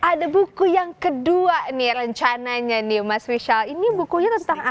ada buku yang kedua nih rencananya nih mas rizal ini bukunya tentang apa